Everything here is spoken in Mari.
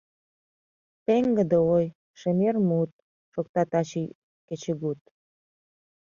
Пеҥгыде ой — шемер мут Шокта таче кечыгут...